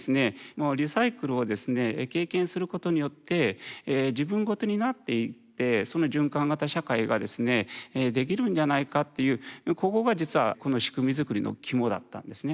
リサイクルをですね経験することによって自分ごとになっていってその循環型社会がですねできるんじゃないかっていうここが実はこの仕組み作りの肝だったんですね。